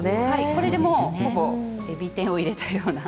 これでほぼえび天を入れたような。